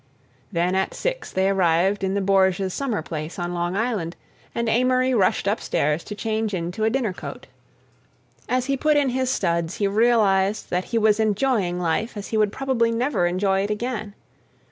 Then at six they arrived at the Borges' summer place on Long Island, and Amory rushed up stairs to change into a dinner coat. As he put in his studs he realized that he was enjoying life as he would probably never enjoy it again.